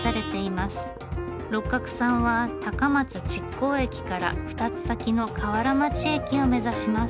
六角さんは高松築港駅から２つ先の瓦町駅を目指します。